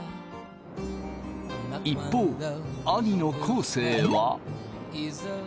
一方兄の昴生は。